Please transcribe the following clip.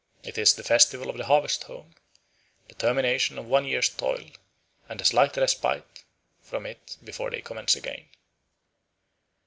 It is the festival of the harvest home; the termination of one year's toil, and a slight respite from it before they commence again."